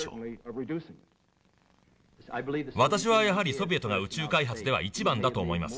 「私はやはりソビエトが宇宙開発では一番だと思います。